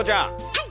はい！